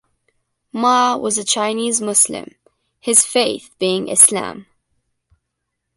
Ma was a Chinese Muslim, his faith being Islam.